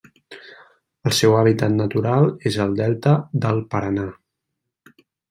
El seu hàbitat natural és el delta del Paraná.